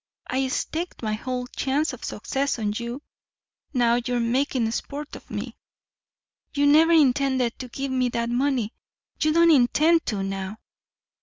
I staked my whole chance of success on you now you're making sport of me. You never intended to give me that money you don't intend to now."